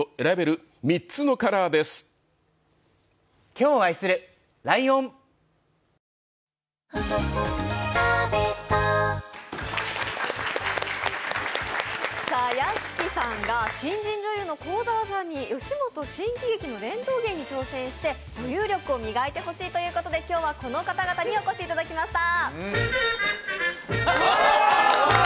あれをアドリブとか鍛えていただきたいので屋敷さんが新人女優の幸澤さんに吉本新喜劇の伝統芸に挑戦して、女優力を磨いてほしいということで、今日はこの方々にお越しいただきました。